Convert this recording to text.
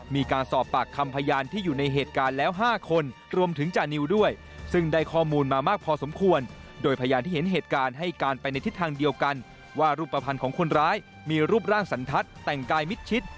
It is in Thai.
มีการสอบปากคำพยานที่อยู่ในเหตุการณ์แล้ว๕คนรวมถึงจานิวด้วยซึ่งได้ข้อมูลมามากพอสมควรโดยพยานที่เห็นเหตุการณ์ให้การไปในทิศทางเดียวกันว่ารูปภัณฑ์ของคนร้ายมีรูปร่างสันทัศน์แต่งกายมิดชิด